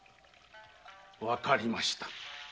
わかりました。